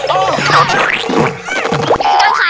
ไอดามเสียท่า